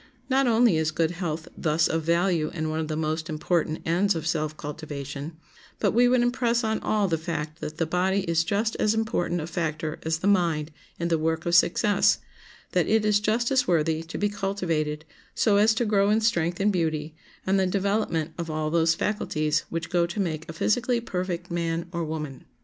Not only is good health thus of value and one of the most important ends of self cultivation, but we would impress on all the fact that the body is just as important a factor as the mind in the work of success, that it is just as worthy to be cultivated, so as to grow in strength and beauty, and the development of all those faculties which go to make a physically perfect man or woman.